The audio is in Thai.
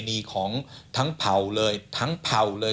มีของทั้งเผ่าเลยทั้งเผ่าเลย